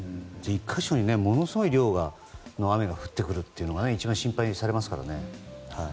１か所にものすごい量の雨が降ってくるというのが一番心配されますからね。